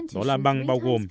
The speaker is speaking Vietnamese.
đó là băng bao gồm